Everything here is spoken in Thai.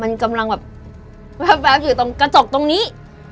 มันกำลังแบบแว๊บอยู่ตรงกระจกตรงนี้